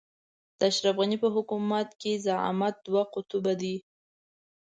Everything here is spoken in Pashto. د اشرف غني په حکومت کې د زعامت دوه قطبه دي.